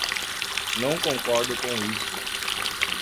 Não concordo com isso